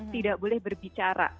tidak boleh berbicara